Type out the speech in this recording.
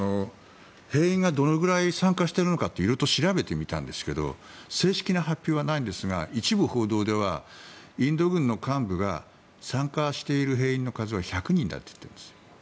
兵員がどのくらい参加しているのかって色々調べてみたんですが正式な発表はないんですが一部報道ではインド軍の幹部が参加している兵員の数は１００人だと言っているんです。